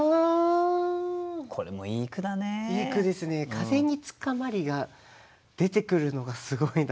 「風につかまり」が出てくるのがすごいなって。